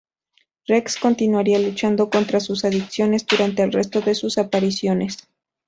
Rex continuaría luchando contra sus adicciones durante el resto de sus apariciones.